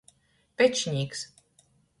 Pečnīks.